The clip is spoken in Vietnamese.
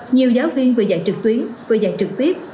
nhiều giáo viên vừa dạy trực tuyến vừa dạy trực tiếp